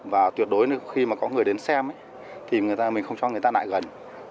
và tuyệt đối khi mà có người đến xem thì mình không cho người ta lại gần